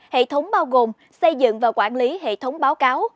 hệ thống bao gồm xây dựng và quản lý hệ thống báo cáo